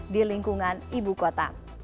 di lingkungan ibu kota